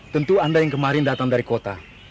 tentu anda yang kemarin datang dari kota